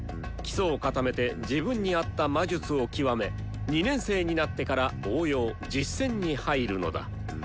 基礎を固めて自分に合った魔術を極め２年生になってから応用・実践に入るのだ。